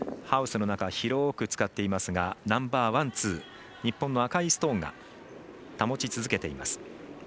ハウスの中、広く使っていますがナンバーワン、ツー日本の赤いストーンが保ち続けています。